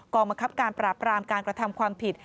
กรรมคับการปราบรามการกระทำความผิด